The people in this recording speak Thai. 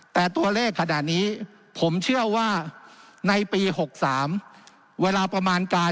แต่ตัวเลขขนาดนี้ผมเชื่อว่าในปี๖๓เวลาประมาณการ